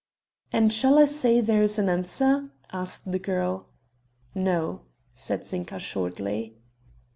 "And shall I say there is an answer?" asked the girl. "No," said Zinka shortly.